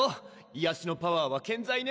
いやしのパワーは健在ね